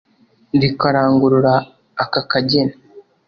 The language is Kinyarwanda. rikarangurura aka kageni